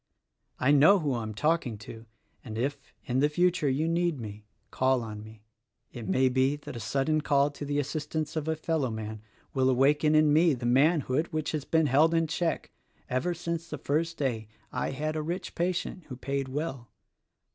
I know who I am talking to; and if, in the future, you need me, call on me. It may be that a sudden call to the assistance of a fellowman will awaken in me the manhood which has been held in check ever since the first day I had a rich patient who paid well.